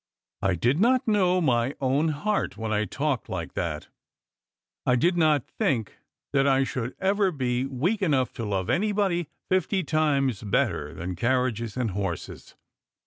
I did not know my own heart when I talked like that. I di i uot think that I should ever be weak enough to love anybody fifty times better than carriages and horses.